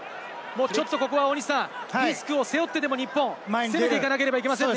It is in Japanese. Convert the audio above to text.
ちょっと、ここは大西さん、リスクを背負ってでも、日本は攻めていかなければなりませんね。